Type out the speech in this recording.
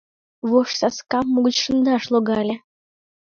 Вожсаскам угыч шындаш логале.